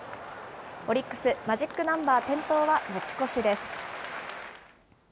オリックス、マジックナンバー点灯は持ち越しです。